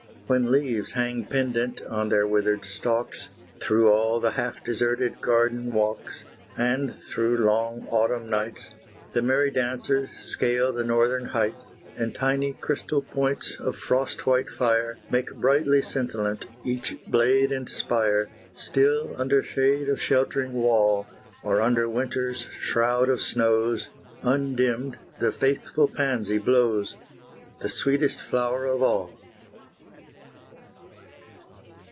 When leaves hang pendant on their withered stalks, Through all the half deserted garden walks; And through long autumn nights, The merry dancers scale the northern heights, And tiny crystal points of frost white fire Make brightly scintillant each blade and spire, Still under shade of shelt'ring wall, Or under winter's shroud of snows, Undimmed, the faithful pansy blows, The sweetest flower of all!